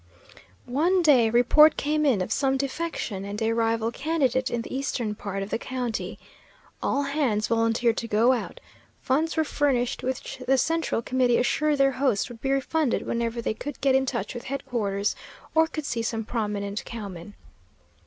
One day report came in of some defection and a rival candidate in the eastern part of the county. All hands volunteered to go out. Funds were furnished, which the central committee assured their host would be refunded whenever they could get in touch with headquarters, or could see some prominent cowman.